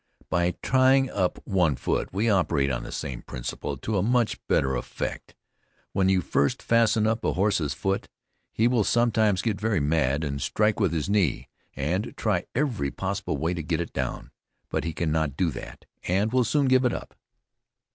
By tying up one foot we operate on the same principle to a much better effect. When you first fasten up a horse's foot he will sometimes get very mad, and strike with his knee, and try every possible way to get it down; but he cannot do that, and will soon give it up.